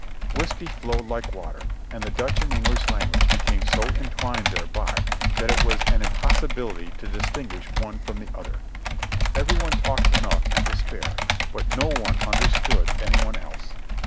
Whiskey flowed like water, and the Dutch and English language became so entwined thereby that it was an impossibility to distinguish one from the other; every one talked enough and to spare, but no one understood 222 JOHNNY REB AND BILLY YANK any one else.